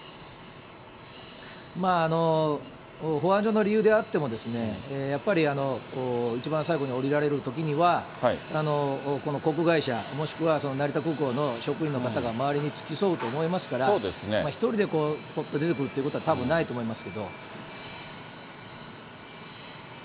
保安上の理由であっても、やっぱり一番最後に降りられるときには、この航空会社、もしくはその成田空港の職員の方が周りに付き添うと思いますから、１人でぽっと出てくるということはたぶんないと思いますけど。